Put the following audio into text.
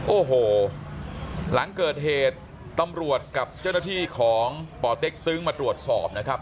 โอ้โหหลังเกิดเหตุตำรวจกับเจ้าหน้าที่ของป่อเต็กตึ้งมาตรวจสอบนะครับ